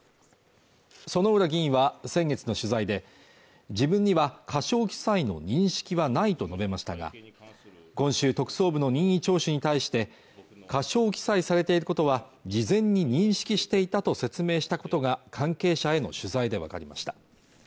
薗浦議員は先月の取材で自分には過少記載の認識はないと述べましたが今週特捜部の任意聴取に対して過少記載されていることは事前に認識していたと説明したことが関係者への取材で分かりました